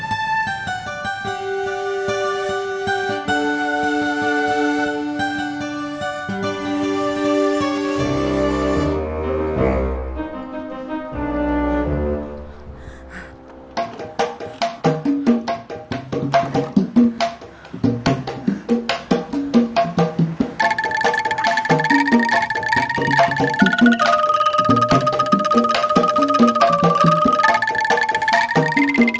ya udah kang